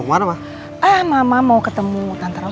karena itu saya harus membuktikannya